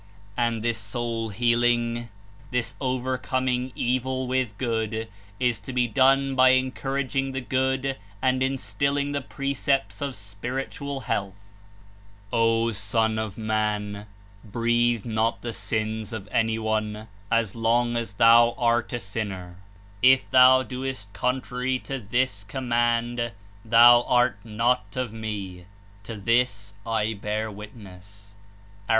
And this soul healing, this overcoming evil with good, is to be done by encouraging the good and Instilling the precepts of spiritual health. ''O Son of Man! Breathe not the sins of any one as long as thou art a sinner. If thou doest contrary 149 to this comnunid thou art not of Me. To this I htar zvitness." (A.